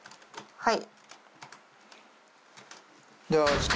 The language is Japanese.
はい。